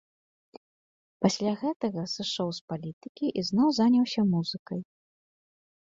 Пасля гэтага сышоў з палітыкі і зноў заняўся музыкай.